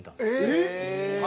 えっ！